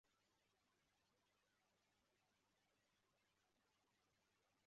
Umwana ufite indobo yiruka avuye kumuraba